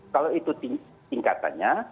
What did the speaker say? kalau itu tingkatannya